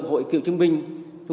hội kiều chính minh